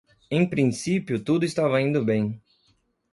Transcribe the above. Em princípio, tudo estava indo bem.